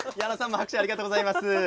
拍手ありがとうございます。